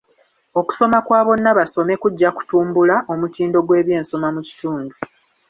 Okusoma kwa bonnabasome kujja kutumbbula omutindo gw'ebyensoma mu kitundu.